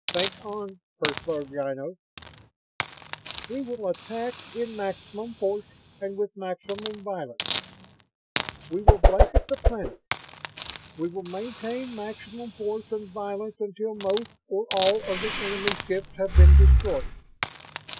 Think on, First Lord Ynos." "We will attack in maximum force and with maximum violence. We will blanket the planet. We will maintain maximum force and violence until most or all of the enemy ships have been destroyed.